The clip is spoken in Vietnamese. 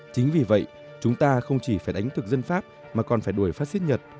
chính vì vậy chúng ta không chỉ phải đánh thực dân pháp mà còn phải đuổi pháp xích nhật